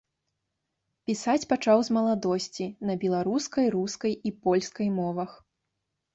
Пісаць пачаў з маладосці, на беларускай, рускай і польскай мовах.